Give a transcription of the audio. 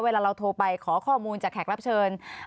เวลาเราโทรไปขอข้อมูลจากแขกรับเชิญ